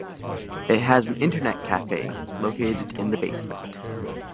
It has an internet cafe located in the basement.